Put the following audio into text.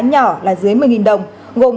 nhỏ là dưới một mươi đồng gồm